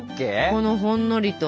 このほんのりと。